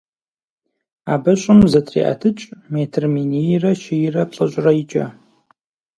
Абы щӀым зытреӀэтыкӀ метр минийрэ щийрэ плӀыщӀрэ икӀэ.